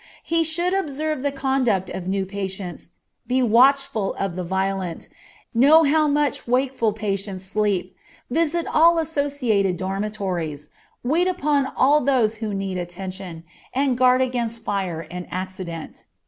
He should observe the conduct of new patients, be watchful of the violent, know how much wakeful patients sleep, visit all associated dormitories, wait upon all those who need attention, and guard against fire and accident.